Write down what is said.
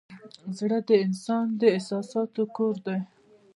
زړه د انسان د احساساتو کور دی.